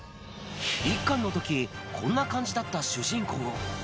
１巻のときこんな感じだった主人公。